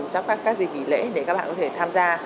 trong các dịp nghỉ lễ để các bạn có thể tham gia